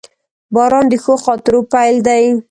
• باران د ښو خاطرو پیل دی.